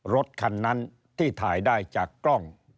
รถคันนั้นที่ถ่ายได้จากกล้อง